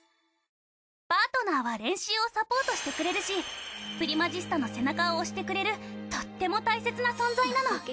パートナーは練習をサポートしてくれるしプリマジスタの背中を押してくれるとっても大切な存在なの。